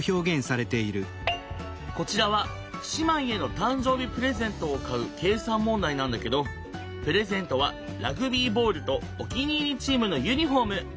こちらは姉妹への誕生日プレゼントを買う計算問題なんだけどプレゼントはラグビーボールとお気に入りチームのユニフォーム。